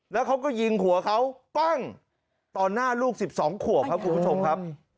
แล้วเขาก็ยิงหัวเขาปั้งต่อหน้าลูก๑๒ขวบครับคุณผู้ชมครับ